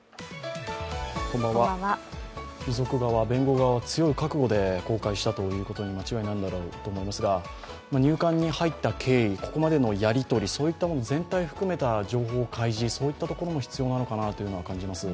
遺族側、弁護側は強い覚悟で公開したということには間違いないんだろうと思いますが入管に入った経緯これまでのやり取りそういったもの全体を含めた情報開示、そういったところも必要なのかなと感じます。